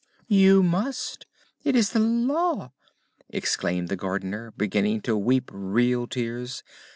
"You must. It's the Law," exclaimed the Gardener, beginning to weep real tears.